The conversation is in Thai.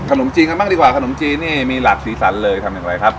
ขนมจีนกันบ้างดีกว่าขนมจีนนี่มีหลากสีสันเลยทำอย่างไรครับ